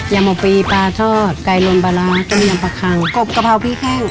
ยำหัวปีปลาทอดไกลลวนปลารักษ์จุ่มยำปลาคังกบกะเพราพี่แข้ง